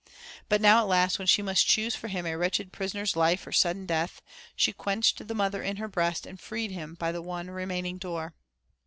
But now at last when she must choose for him a wretched prisoner's life or sudden death, she quenched the mother in her breast and freed him by the one remaining door.